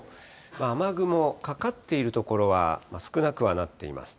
雨雲かかっている所は少なくはなっています。